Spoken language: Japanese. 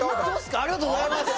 ありがとうございます！